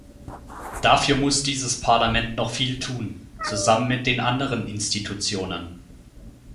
Dafür muss dieses Parlament noch viel tun, zusammen mit den anderen Institutionen.